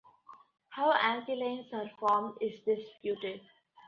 How anthelions are formed is disputed.